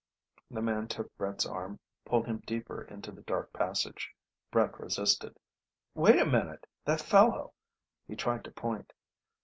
The man took Brett's arm, pulled him deeper into the dark passage. Brett resisted. "Wait a minute. That fellow ..." He tried to point.